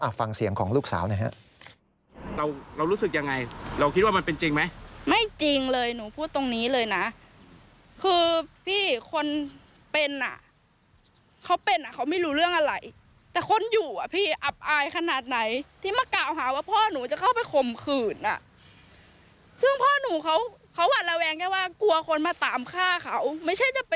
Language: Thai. อ่ะฟังเสียงของลูกสาวนะครับ